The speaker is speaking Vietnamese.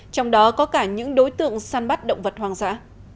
trong đó có cả những đối tượng săn bắt động vật hoang dã